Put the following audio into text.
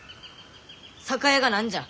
酒屋が何じゃ？